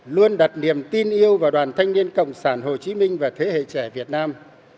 luôn đặt niềm tin yêu vào đoàn thanh niên cộng sản hồ chí minh và thế hệ trẻ việt nam